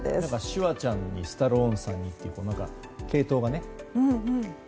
シュワちゃんにスタローンさんに系統がね。